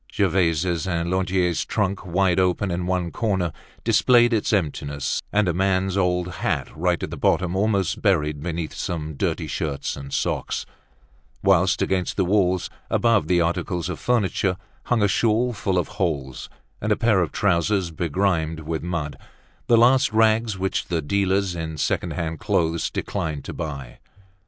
Gervaise's and Lantier's trunk, wide open, in one corner, displayed its emptiness, and a man's old hat right at the bottom almost buried beneath some dirty shirts and socks; whilst, against the walls, above the articles of furniture, hung a shawl full of holes, and a pair of trousers begrimed with mud, the last rags which the dealers in second hand clothes declined to buy.